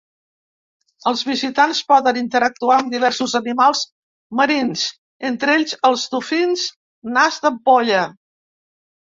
Els visitants poden interactuar amb diversos animals marins, entre ells els dofins nas d'ampolla.